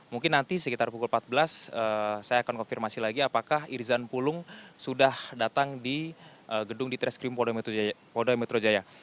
mungkin nanti sekitar pukul empat belas saya akan konfirmasi lagi apakah irzan pulung sudah datang di gedung di treskrim polda metro jaya